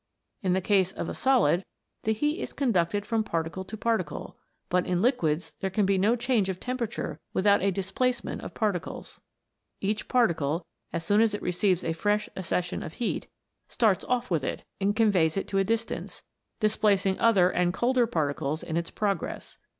In the case of a solid the heat is conducted from par ticle to particle ; but in liquids there can be no change of temperature without a displacement of particles. Each particle, as soon as it receives a fresh accession of heat, starts off with it, and con veys it to a distance, displacing other and colder particles in its progress.